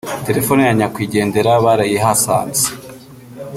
telephone ya nyakwigendera barayihasanze